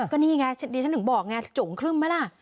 ก็นี่ไงดิฉันถึงบอกไงจุ๋งครึ่มไหมล่ะ